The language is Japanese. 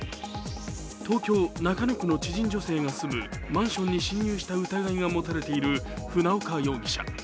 東京・中野区の知人女性が住むマンションに侵入した疑いが持たれている船岡容疑者。